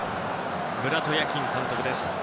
ムラト・ヤキン監督です。